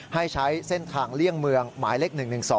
ให้ใช้เส้นทางเลี่ยงเมืองหมายเลข๑๑๒